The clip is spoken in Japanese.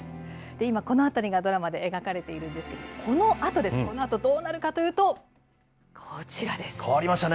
今、このあたりがドラマで描かれているんですけど、このあとです、このあとどうなるかというと、こちらです。